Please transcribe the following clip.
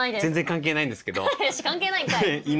関係ないんかい！